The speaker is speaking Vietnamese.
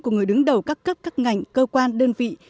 của người đứng đầu các cấp các ngành cơ quan đơn vị